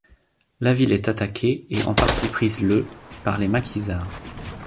La ville est attaquée et en partie prise le par les maquisards.